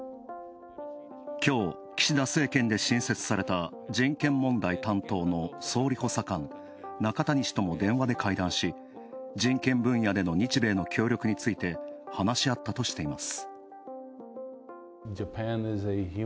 きょう、岸田政権で新設された人権問題担当の総理補佐官、中谷氏とも電話で会談し人権分野での日米の協力について話し合ったとしています。